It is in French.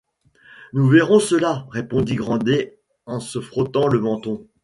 Nous verrons cela, répondit Grandet en se frottant le menton.